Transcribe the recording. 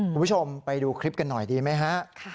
คุณผู้ชมไปดูคลิปกันหน่อยดีไหมฮะ